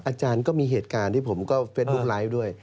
อาจารย์ก็มีเหตุการณ์ที่ผมก็เฟสบุ๊คไลฟ์ด้วย